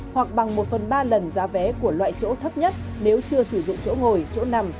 hoặc bằng một phần ba lần giá vé của loại chỗ thấp nhất nếu chưa sử dụng chỗ ngồi chỗ nằm